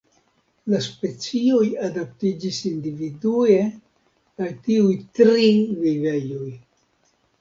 La specioj adaptiĝis individue al tiuj tri vivejoj.